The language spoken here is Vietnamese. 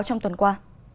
trong tuần qua